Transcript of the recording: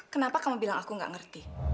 kenapa kamu bilang aku gak ngerti